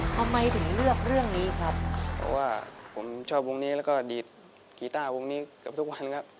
ทำไมถึงเลือกเรื่องนี้ครับเพราะว่าผมชอบวงนี้แล้วก็อดีตกีต้าวงนี้เกือบทุกวันครับ